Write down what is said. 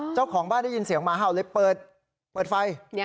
เจ้าของบ้านได้ยินเสียงมะเขาเลยเปิดปล่อยไฟ